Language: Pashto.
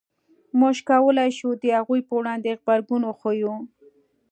موږ کولای شو د هغوی په وړاندې غبرګون وښیو.